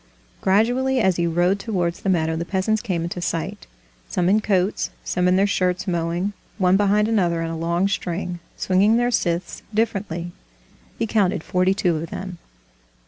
Gradually, as he rode towards the meadow, the peasants came into sight, some in coats, some in their shirts mowing, one behind another in a long string, swinging their scythes differently. He counted forty two of them.